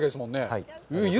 はい。